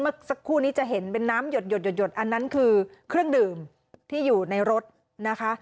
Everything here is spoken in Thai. เมื่อสักครู่นี้จะเห็นเป็นน้ำหยดอันนั้นคือเครื่องดื่มที่อยู่ในรถนะคะ